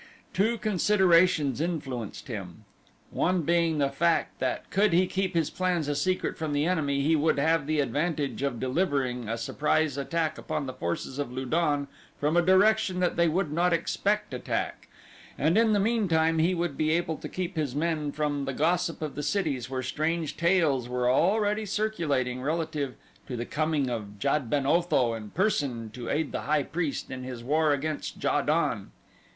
Two considerations influenced him one being the fact that could he keep his plans a secret from the enemy he would have the advantage of delivering a surprise attack upon the forces of Lu don from a direction that they would not expect attack, and in the meantime he would be able to keep his men from the gossip of the cities where strange tales were already circulating relative to the coming of Jad ben Otho in person to aid the high priest in his war against Ja don.